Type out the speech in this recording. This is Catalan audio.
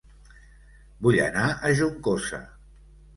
Vull anar a Juncosa